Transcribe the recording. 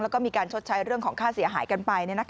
แล้วก็มีการชดใช้เรื่องของค่าเสียหายกันไป